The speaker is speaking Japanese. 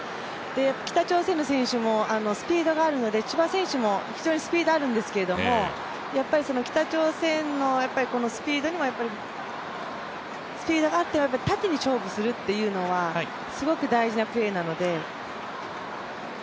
北朝鮮の選手もスピードがあるので、千葉選手も非常にスピードあるんですけれども、北朝鮮もスピードがあって、縦に勝負するっていうのはすごく大事なプレーなので。